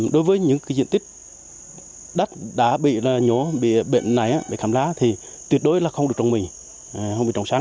đối với những diện tích đất đã bị nhổ bị bệnh này bị khảm lá thì tuyệt đối là không được trồng mì không được trồng sắn